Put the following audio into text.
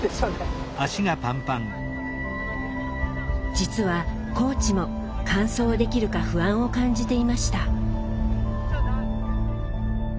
実はコーチも完走できるか不安を感じていました。